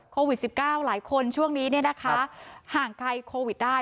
โควิด๑๙หลายคนช่วงนี้ห่างไกลโควิดได้